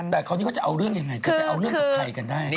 แต่เขาจะเอาเรื่องยังไง